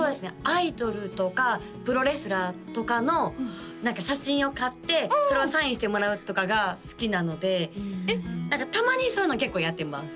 アイドルとかプロレスラーとかの写真を買ってそれをサインしてもらうとかが好きなのでたまにそういうの結構やってます